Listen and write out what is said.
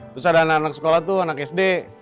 terus ada anak anak sekolah tuh anak sd